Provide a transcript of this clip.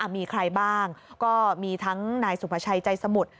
มีใครบ้างก็มีทั้งนายสุภาชัยใจสมุทร